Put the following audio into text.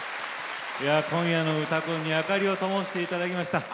今夜の「うたコン」に明かりをともしていただきました。